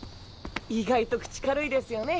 意外と口軽いですよね？